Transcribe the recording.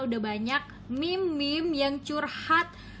udah banyak meme meme yang curhat